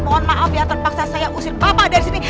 mohon maaf ya terpaksa saya usir papa dari sini